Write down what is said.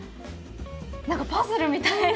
何かパズルみたい。